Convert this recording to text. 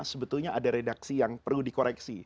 sebetulnya ada redaksi yang perlu dikoreksi